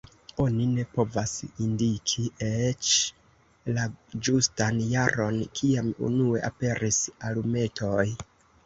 Oni ne povas indiki eĉ la ĝustan jaron, kiam unue aperis alumetoj.